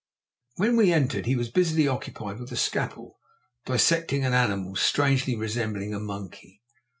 _ When we entered he was busily occupied with a scalpel, dissecting an animal strangely resembling a monkey.